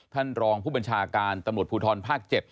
ท่านรองผู้บัญชาการตำรวจภูทรภาค๗